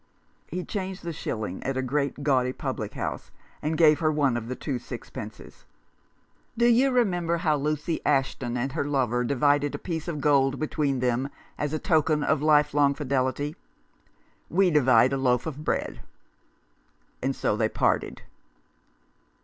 He changed the shilling at a great gaudy public house, and gave her one of the two sixpences. "Do you remember how Lucy Ashton and her 3i Rough Justice. lover divided a piece of gold between them as a token of lifelong fidelity ? We divide a loaf of bread." And so they parted.